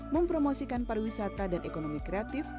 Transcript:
mempromosikan pariwisata dan ekonomi kreatif